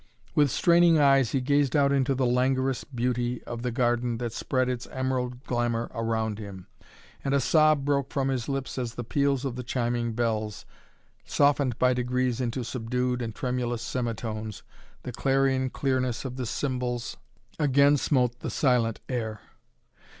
With straining eyes he gazed out into the languorous beauty of the garden that spread its emerald glamour around him, and a sob broke from his lips as the peals of the chiming bells, softened by degrees into subdued and tremulous semitones, the clarion clearness of the cymbals again smote the silent air.